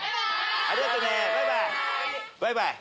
ありがとねバイバイバイバイ。